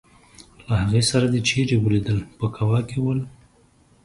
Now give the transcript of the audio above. له هغې سره دي چېرې ولیدل په کوا کې ول.